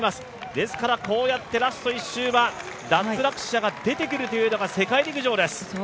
ですからこうやってラスト１周は脱落者が出てくるというのが世界陸上です。